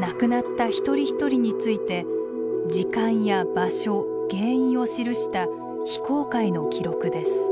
亡くなった一人一人について時間や場所原因を記した非公開の記録です。